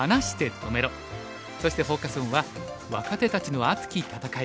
そしてフォーカス・オンは「若手たちの熱き戦い！